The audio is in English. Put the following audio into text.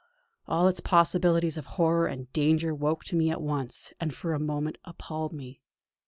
All its possibilities of horror and danger woke to me at once, and for a moment appalled me.